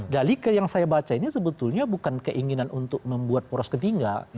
dalike yang saya baca ini sebetulnya bukan keinginan untuk membuat poros ketiga